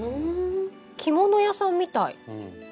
着物屋さんみたい。